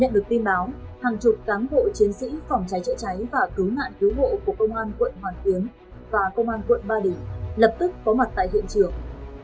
nhận được tin báo hàng chục cán bộ chiến sĩ phòng cháy chữa cháy và cứu nạn cứu hộ của công an quận hoàn kiếm và công an quận ba đình lập tức có mặt tại hiện trường